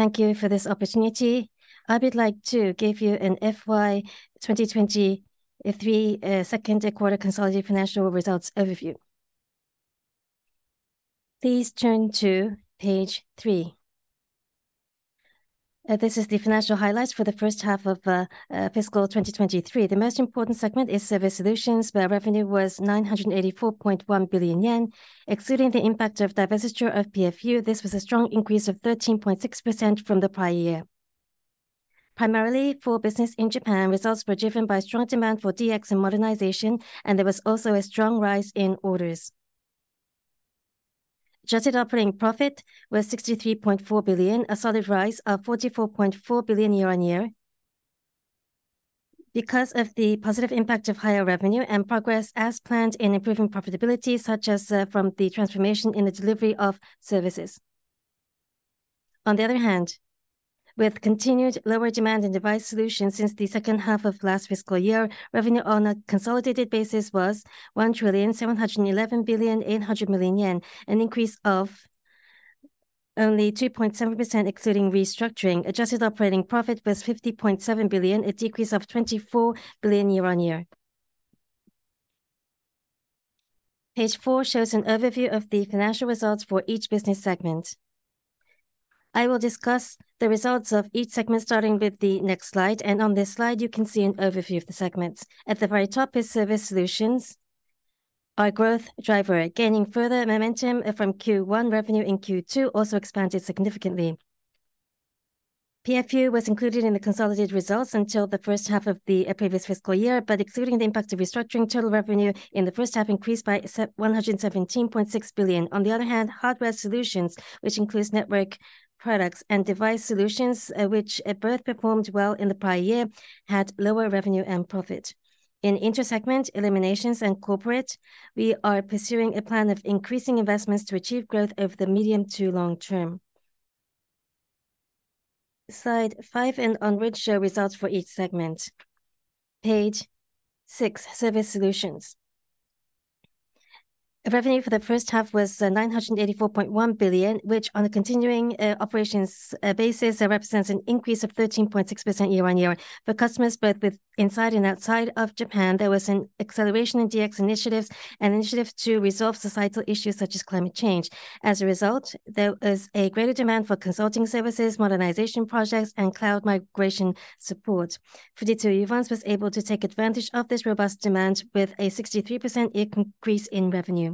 Thank you for this opportunity. I would like to give you an FY 2023 Q2 Consolidated Financial Results overview. Please turn to page three. This is the financial highlights for the H1 of fiscal 2023. The most important segment is Service Solutions, where revenue was 984.1 billion yen. Excluding the impact of divestiture of PFU, this was a strong increase of 13.6% from the prior year. Primarily for business in Japan, results were driven by strong demand for DX and modernization, and there was also a strong rise in orders. Adjusted operating profit was 63.4 billion, a solid rise of 44.4 billion year-on-year. Because of the positive impact of higher revenue and progress as planned in improving profitability, such as from the transformation in the delivery of services. On the other hand, with continued lower demand in Device Solutions since the H2 of last fiscal year, revenue on a consolidated basis was 1,711.8 billion, an increase of only 2.7%, excluding restructuring. Adjusted Operating Profit was 50.7 billion, a decrease of 24 billion year-on-year. Page four shows an overview of the financial results for each business segment. I will discuss the results of each segment, starting with the next slide, and on this slide, you can see an overview of the segments. At the very top is Service Solutions, our growth driver. Gaining further momentum from Q1, revenue in Q2 also expanded significantly. PFU was included in the consolidated results until the H1 of the previous fiscal year, but excluding the impact of restructuring, total revenue in the H1 increased by 117.6 billion. On the other hand, Hardware Solutions, which includes Network Products and device solutions, which both performed well in the prior year, had lower revenue and profit. In intersegment eliminations and corporate, we are pursuing a plan of increasing investments to achieve growth over the medium to long term. Slide five and onwards show results for each segment. Page six, Service Solutions. Revenue for the H1 was 984.1 billion, which, on a continuing operations basis, represents an increase of 13.6% year-on-year. For customers both with inside and outside of Japan, there was an acceleration in DX initiatives and initiatives to resolve societal issues such as climate change. As a result, there was a greater demand for consulting services, modernization projects, and cloud migration support. Fujitsu Uvance was able to take advantage of this robust demand with a 63% increase in revenue.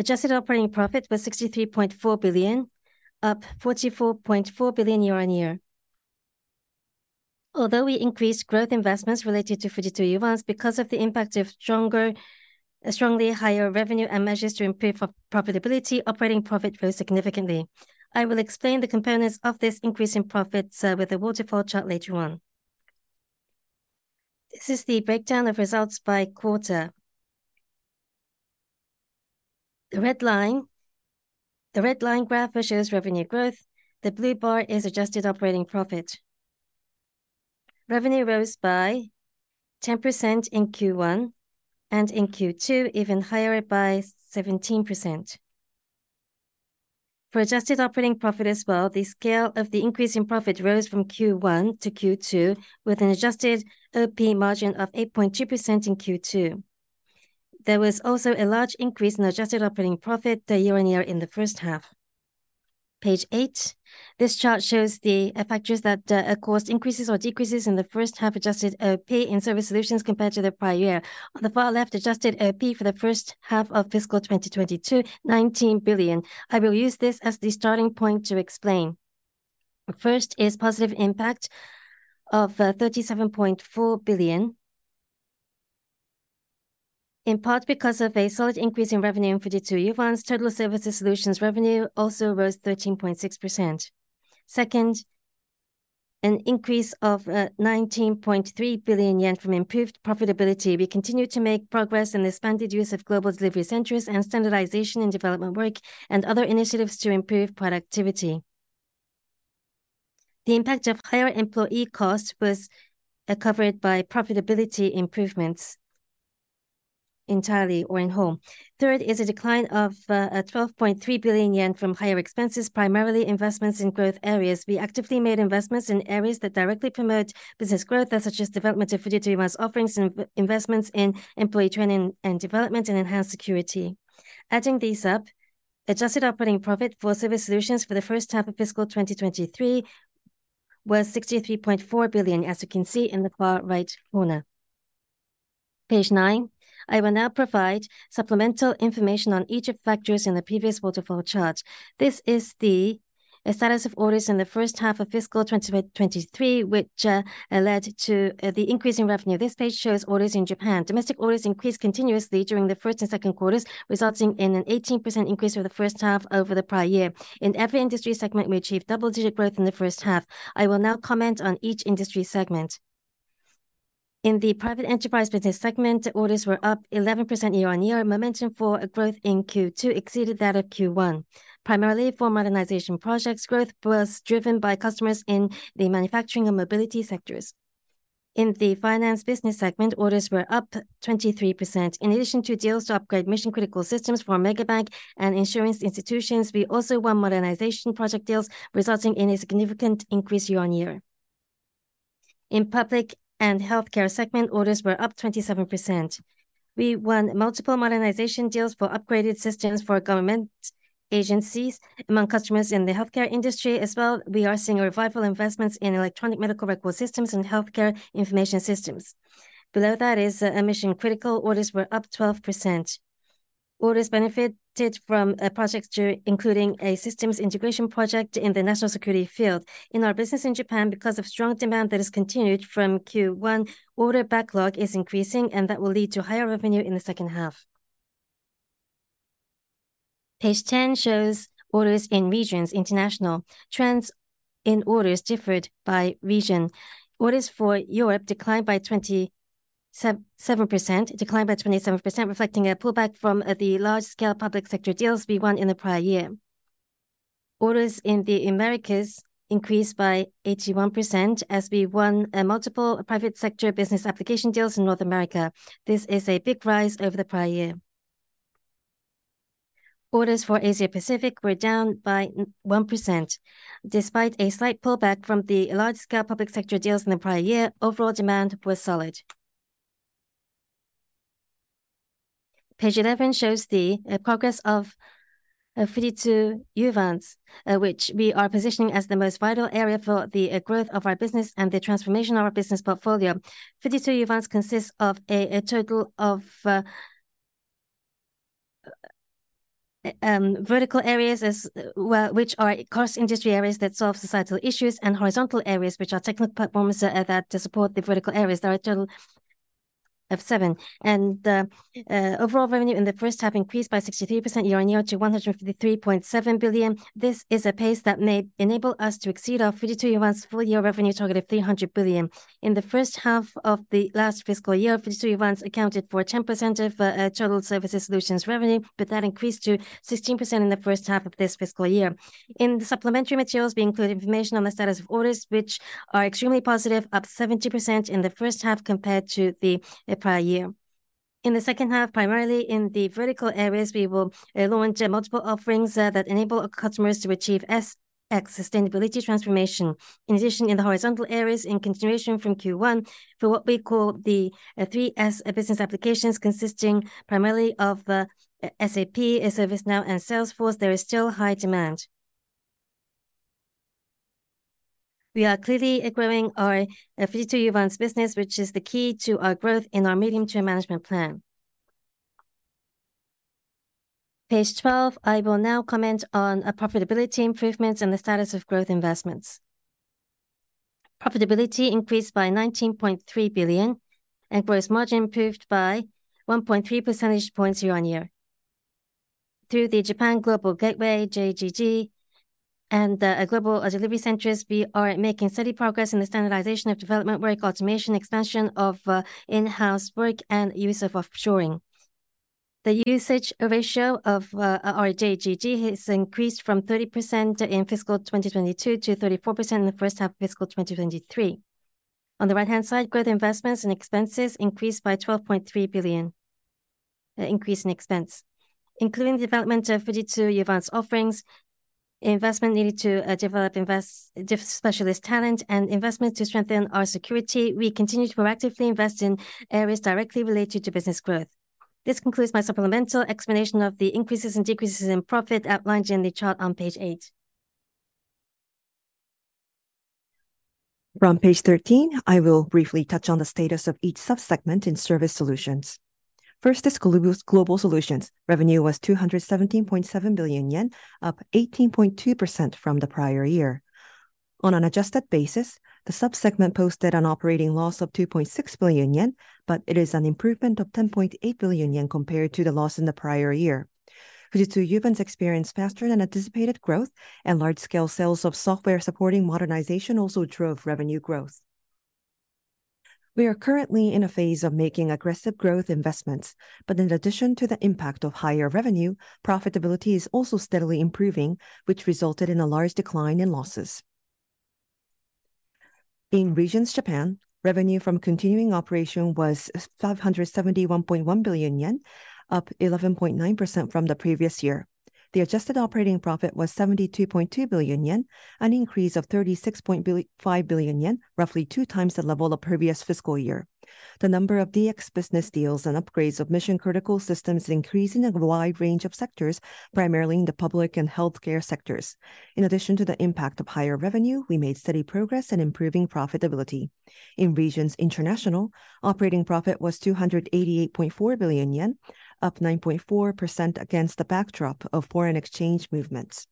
Adjusted Operating Profit was 63.4 billion, up 44.4 billion year-on-year. Although we increased growth investments related to Fujitsu Uvance, because of the impact of strongly higher revenue and measures to improve profitability, operating profit rose significantly. I will explain the components of this increase in profits with a waterfall chart later on. This is the breakdown of results by quarter. The red line, the red line graph, which shows revenue growth. The blue bar is Adjusted Operating Profit. Revenue rose by 10% in Q1, and in Q2, even higher by 17%. For adjusted operating profit as well, the scale of the increase in profit rose from Q1 to Q2, with an adjusted OP margin of 8.2% in Q2. There was also a large increase in adjusted operating profit year-on-year in the H1. Page 8. This chart shows the factors that caused increases or decreases in the H1 adjusted OP in Service Solutions compared to the prior year. On the far left, adjusted OP for the H1 of fiscal 2022, 19 billion. I will use this as the starting point to explain. First is positive impact of 37.4 billion, in part because of a solid increase in revenue in Fujitsu Uvance. Total Service Solutions revenue also rose 13.6%. Second, an increase of 19.3 billion yen from improved profitability. We continue to make progress in the expanded use of global delivery centers and standardization in development work and other initiatives to improve productivity. The impact of higher employee costs was covered by profitability improvements entirely or in whole. Third is a decline of 12.3 billion yen from higher expenses, primarily investments in growth areas. We actively made investments in areas that directly promote business growth, such as development of Fujitsu Uvance offerings and investments in employee training and development and enhanced security. Adding these up, adjusted operating profit for Service Solutions for the H1 of fiscal 2023 was 63.4 billion, as you can see in the far right corner. Page nine. I will now provide supplemental information on each of factors in the previous waterfall chart. This is the status of orders in the H1 of fiscal 2023, which led to the increase in revenue. This page shows orders in Japan. Domestic orders increased continuously during the Q1 and Q2, resulting in an 18% increase for the H1 over the prior year. In every industry segment, we achieved double-digit growth in the H1. I will now comment on each industry segment. In the private enterprise business segment, orders were up 11% year-on-year, and momentum for growth in Q2 exceeded that of Q1, primarily for modernization projects. Growth was driven by customers in the manufacturing and mobility sectors. In the finance business segment, orders were up 23%. In addition to deals to upgrade Mission Critical systems for megabank and insurance institutions, we also won modernization project deals, resulting in a significant increase year-on-year. In public and healthcare segment, orders were up 27%. We won multiple modernization deals for upgraded systems for government agencies. Among customers in the healthcare industry as well, we are seeing a revival investments in electronic medical record systems and healthcare information systems. Below that is a Mission Critical, orders were up 12%. Orders benefited from a project including a systems integration project in the national security field. In our business in Japan, because of strong demand that has continued from Q1, order backlog is increasing, and that will lead to higher revenue in the H2. Page 10 shows orders in Regions International. Trends in orders differed by region. Orders for Europe declined by 27%, reflecting a pullback from the large-scale public sector deals we won in the prior year. Orders in the Americas increased by 81% as we won multiple private sector business application deals in North America. This is a big rise over the prior year. Orders for Asia Pacific were down by 1%. Despite a slight pullback from the large-scale public sector deals in the prior year, overall demand was solid. Page 11 shows the progress of Fujitsu Uvance, which we are positioning as the most vital area for the growth of our business and the transformation of our business portfolio. Fujitsu Uvance consists of a total of vertical areas as well, which are cross-industry areas that solve societal issues, and horizontal areas, which are technical platforms that to support the vertical areas. There are a total of seven. Overall revenue in the H1 increased by 63% year-on-year to 153.7 billion. This is a pace that may enable us to exceed our Fujitsu Uvance full year revenue target of 300 billion. In the H1 of the last fiscal year, Fujitsu Uvance accounted for 10% of total Service Solutions revenue, but that increased to 16% in the H1 of this fiscal year. In the supplementary materials, we include information on the status of orders, which are extremely positive, up 70% in the H1 compared to the prior year. In the H2, primarily in the vertical areas, we will launch multiple offerings that enable our customers to achieve SX sustainability transformation. In addition, in the horizontal areas, in continuation from Q1, for what we call the 3S business applications, consisting primarily of SAP, ServiceNow, and Salesforce, there is still high demand. We are clearly growing our Fujitsu Uvance business, which is the key to our growth in our medium-term management plan. Page 12, I will now comment on profitability improvements and the status of growth investments. Profitability increased by 19.3 billion, and gross margin improved by 1.3 percentage points year-on-year. Through the Japan Global Gateway, JGG, and global delivery centers, we are making steady progress in the standardization of development work, automation, expansion of in-house work, and use of offshoring. The usage ratio of our JGG has increased from 30% in fiscal 2022 to 34% in the H1 of fiscal 2023. On the right-hand side, growth investments and expenses increased by 12.3 billion, increase in expense, including the development of Fujitsu Uvance offerings, investment needed to develop specialist talent, and investment to strengthen our security. We continue to proactively invest in areas directly related to business growth. This concludes my supplemental explanation of the increases and decreases in profit outlined in the chart on page eight. From page 13, I will briefly touch on the status of each sub-segment in Service Solutions. First is Global Solutions. Revenue was 217.7 billion yen, up 18.2% from the prior year. On an adjusted basis, the sub-segment posted an operating loss of 2.6 billion yen, but it is an improvement of 10.8 billion yen compared to the loss in the prior year. Fujitsu Uvance experienced faster than anticipated growth, and large-scale sales of software supporting modernization also drove revenue growth. We are currently in a phase of making aggressive growth investments, but in addition to the impact of higher revenue, profitability is also steadily improving, which resulted in a large decline in losses. In Regions Japan, revenue from continuing operation was 571.1 billion yen, up 11.9% from the previous year. The adjusted operating profit was 72.2 billion yen, an increase of 36.5 billion yen, roughly two times the level of previous fiscal year. The number of DX business deals and upgrades of Mission Critical systems increased in a wide range of sectors, primarily in the public and healthcare sectors. In addition to the impact of higher revenue, we made steady progress in improving profitability. In Regions International, operating profit was 288.4 billion yen, up 9.4% against the backdrop of foreign exchange movements.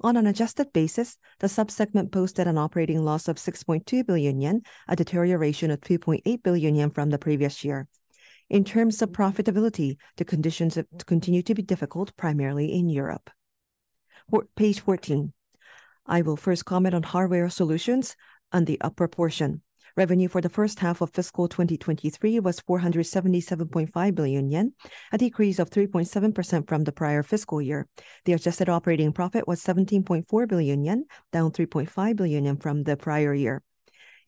On an adjusted basis, the sub-segment posted an operating loss of 6.2 billion yen, a deterioration of 2.8 billion yen from the previous year. In terms of profitability, the conditions have continued to be difficult, primarily in Europe. Page 14. I will first comment on Hardware Solutions on the upper portion. Revenue for the H1 of fiscal 2023 was 477.5 billion yen, a decrease of 3.7% from the prior fiscal year. The Adjusted Operating Profit was 17.4 billion yen, down 3.5 billion yen from the prior year.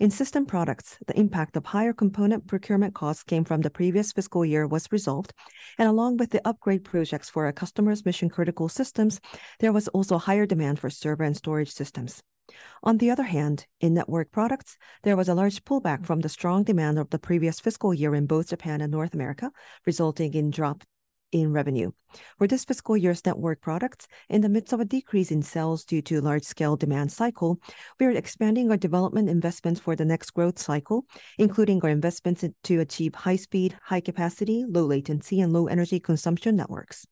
In System Products, the impact of higher component procurement costs came from the previous fiscal year was resolved, and along with the upgrade projects for our customers' Mission-Critical systems, there was also higher demand for server and storage systems. On the other hand, in network products, there was a large pullback from the strong demand of the previous fiscal year in both Japan and North America, resulting in drop in revenue. For this fiscal year's network products, in the midst of a decrease in sales due to large-scale demand cycle, we are expanding our development investments for the next growth cycle, including our investments in to achieve high speed, high capacity, low latency, and low energy consumption networks.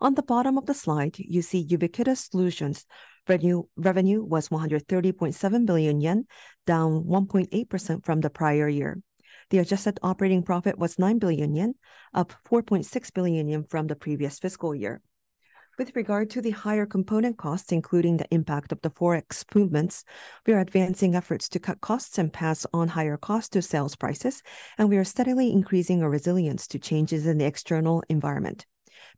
On the bottom of the slide, you see Ubiquitous Solutions. Revenue was 130.7 billion yen, down 1.8% from the prior year. The adjusted operating profit was 9 billion yen, up 4.6 billion yen from the previous fiscal year. With regard to the higher component costs, including the impact of the Forex movements, we are advancing efforts to cut costs and pass on higher costs to sales prices, and we are steadily increasing our resilience to changes in the external environment.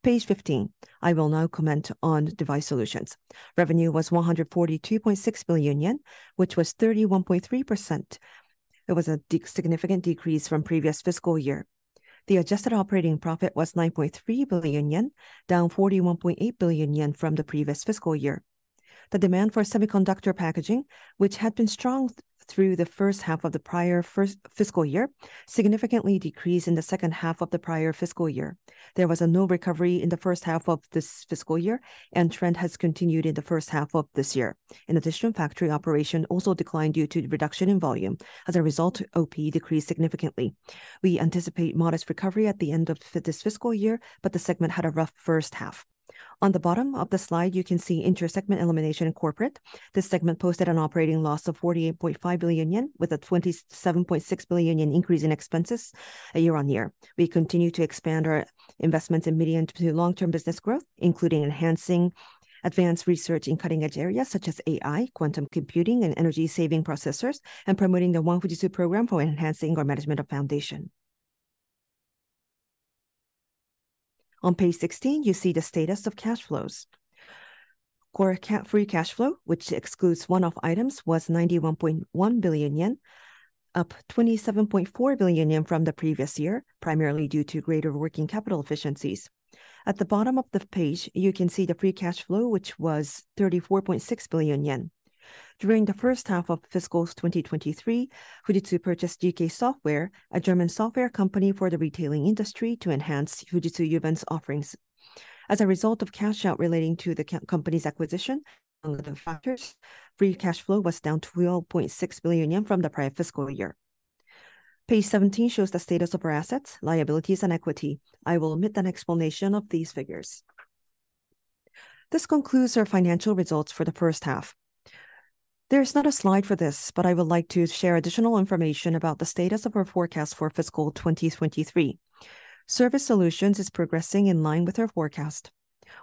Page 15. I will now comment on Device Solutions. Revenue was 142.6 billion yen, which was 31.3%. It was a significant decrease from previous fiscal year. The adjusted operating profit was 9.3 billion yen, down 41.8 billion yen from the previous fiscal year. The demand for semiconductor packaging, which had been strong through the H1 of the prior fiscal year, significantly decreased in the H2 of the prior fiscal year. There was no recovery in the H1 of this fiscal year, and the trend has continued in the H1 of this year. In addition, factory operation also declined due to the reduction in volume. As a result, OP decreased significantly. We anticipate modest recovery at the end of this fiscal year, but the segment had a rough H1. On the bottom of the slide, you can see intersegment elimination in corporate. This segment posted an operating loss of 48.5 billion yen, with a 27.6 billion yen increase in expenses year-on-year. We continue to expand our investments in medium- to long-term business growth, including enhancing advanced research in cutting-edge areas such as AI, quantum computing, and energy-saving processors, and promoting the One Fujitsu program for enhancing our managerial foundation. On page 16, you see the status of cash flows. Core free cash flow, which excludes one-off items, was 91.1 billion yen, up 27.4 billion yen from the previous year, primarily due to greater working capital efficiencies. At the bottom of the page, you can see the free cash flow, which was 34.6 billion yen. During the H1 of fiscal 2023, Fujitsu purchased GK Software, a German software company for the retailing industry, to enhance Fujitsu Uvance offerings. As a result of cash out relating to the company's acquisition, among other factors, free cash flow was down 12.6 billion yen from the prior fiscal year. Page 17 shows the status of our assets, liabilities, and equity. I will omit an explanation of these figures. This concludes our financial results for the H1. There is not a slide for this, but I would like to share additional information about the status of our forecast for fiscal 2023. Service Solutions is progressing in line with our forecast.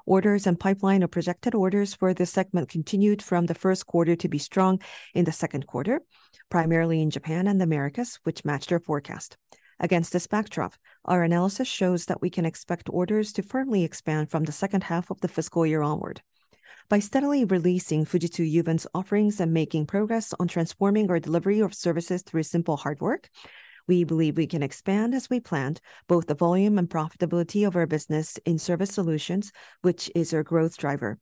Orders and pipeline of projected orders for this segment continued from the Q1 to be strong in the Q2, primarily in Japan and the Americas, which matched our forecast. Against this backdrop, our analysis shows that we can expect orders to firmly expand from the H2 of the fiscal year onward. By steadily releasing Fujitsu Uvance offerings and making progress on transforming our delivery of services through simple hard work, we believe we can expand as we planned, both the volume and profitability of our business in Service Solutions, which is our growth driver.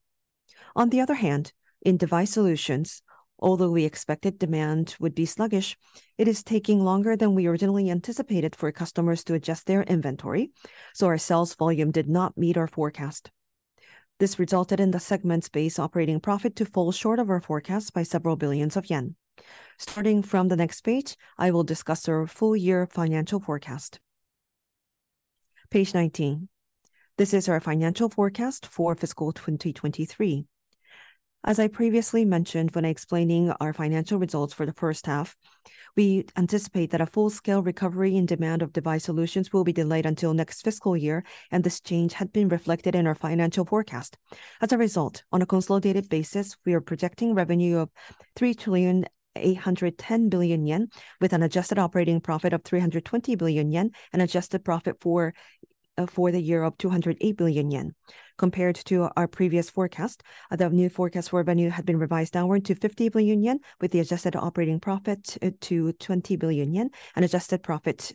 On the other hand, in Device Solutions, although we expected demand would be sluggish, it is taking longer than we originally anticipated for customers to adjust their inventory, so our sales volume did not meet our forecast. This resulted in the segment's base operating profit to fall short of our forecast by several billions of Yen. Starting from the next page, I will discuss our full-year financial forecast. Page 19. This is our financial forecast for fiscal 2023. As I previously mentioned when explaining our financial results for the H1, we anticipate that a full-scale recovery in demand of Device Solutions will be delayed until next fiscal year, and this change had been reflected in our financial forecast. As a result, on a consolidated basis, we are projecting revenue of 3.81 trillion, with an Adjusted Operating Profit of 320 billion yen and adjusted profit for the year of 208 billion yen. Compared to our previous forecast, the new forecast for revenue had been revised downward to 50 billion yen, with the adjusted operating profit to 20 billion yen and adjusted profit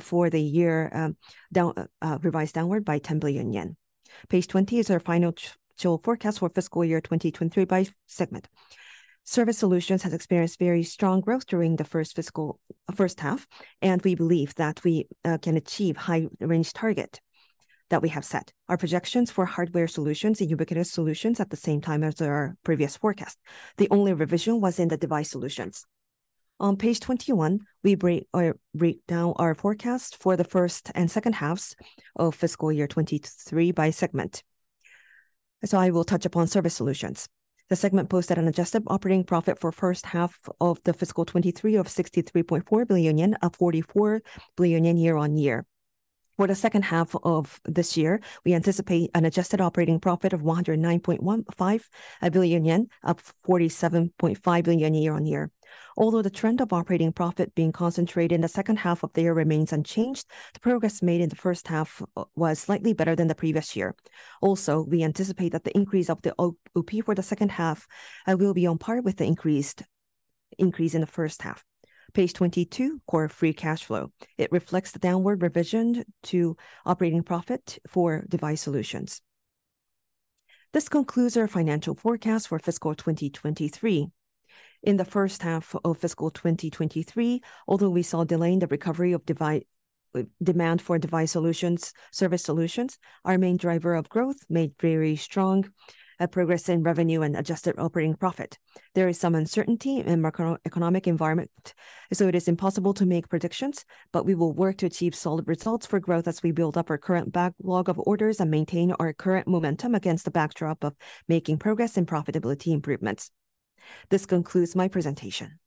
for the year down revised downward by 10 billion yen. Page 20 is our final forecast for fiscal year 2023 by segment. Service Solutions has experienced very strong growth during the H1, and we believe that we can achieve high-range target that we have set. Our projections for Hardware Solutions and Ubiquitous Solutions at the same time as our previous forecast. The only revision was in the Device Solutions. On page 21, we break down our forecast for the H1 and H2 of fiscal year 2023 by segment. So I will touch upon Service Solutions. The segment posted an Adjusted Operating Profit for H1 of fiscal 2023 of 63.4 billion yen, up 44 billion yen year-on-year. For the H2 of this year, we anticipate an Adjusted Operating Profit of 109.15 billion yen, up 47.5 billion yen year-on-year. Although the trend of operating profit being concentrated in the H2 of the year remains unchanged, the progress made in the H1 was slightly better than the previous year. Also, we anticipate that the increase of the OP for the H2 will be on par with the increase in the H1. Page 22, Core Free Cash Flow. It reflects the downward revision to operating profit for Device Solutions. This concludes our financial forecast for fiscal 2023. In the H1 of fiscal 2023, although we saw delay in the recovery of demand for Device Solutions, Service Solutions, our main driver of growth made very strong progress in revenue and adjusted operating profit. There is some uncertainty in macroeconomic environment, so it is impossible to make predictions, but we will work to achieve solid results for growth as we build up our current backlog of orders and maintain our current momentum against the backdrop of making progress in profitability improvements. This concludes my presentation.